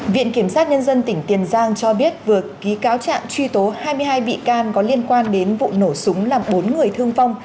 viện kiểm sát nhân dân tỉnh tiền giang cho biết vừa ký cáo trạng truy tố hai mươi hai bị can có liên quan đến vụ nổ súng làm bốn người thương vong